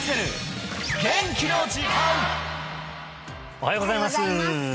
おはようございます